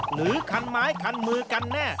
หรือคันไม้คันมือกันแน่